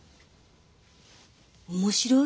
面白い？